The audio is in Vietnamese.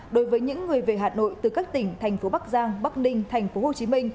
đối với những người về hà nội từ các tỉnh tp bắc giang bắc ninh tp hcm